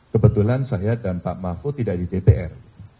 kebetulan saya dan pak mahfud tidak di dpr